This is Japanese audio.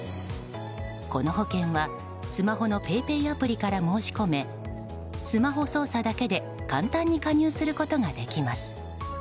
この保険は、スマホのＰａｙＰａｙアプリから申し込めスマホ操作だけで簡単に加入することができます。